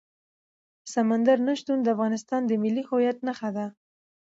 سمندر نه شتون د افغانستان د ملي هویت نښه ده.